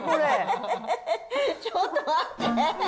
ちょっと待って。